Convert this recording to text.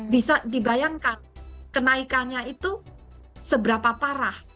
bisa dibayangkan kenaikannya itu seberapa parah